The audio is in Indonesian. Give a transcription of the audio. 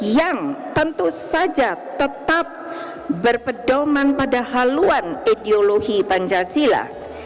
yang tentu saja tetap berpedoman pada haluan ideologi pancasila